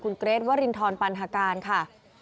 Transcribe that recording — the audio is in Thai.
คุณเกรทวรินทรปันหาการค่ะ